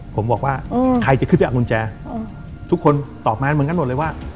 ผมบอกว่าใครจะขึ้นไปเอากุญแจทุกคนตอบมาเหมือนกันหมดเลยว่า